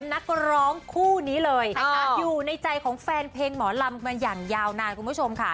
นักร้องคู่นี้เลยนะคะอยู่ในใจของแฟนเพลงหมอลำกันอย่างยาวนานคุณผู้ชมค่ะ